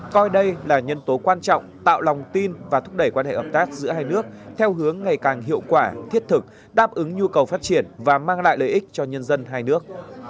coi đây là nhân tố quan trọng tạo lòng tin và thúc đẩy quan hệ hợp tác giữa hai nước theo hướng ngày càng hiệu quả thiết thực đáp ứng nhu cầu phát triển và mang lại lợi ích cho nhân dân hai nước